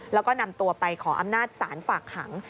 แล้วก็นำตัวไปขออำนาจศาลฝากขัง